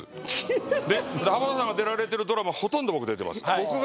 ふふふっで浜田さんが出られてるドラマほとんど僕出てます